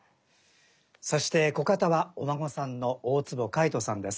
そして子方はお孫さんの大坪海音さんです。